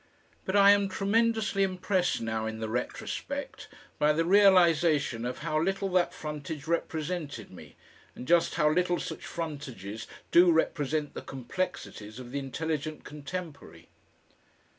But I am tremendously impressed now in the retrospect by the realisation of how little that frontage represented me, and just how little such frontages do represent the complexities of the intelligent contemporary.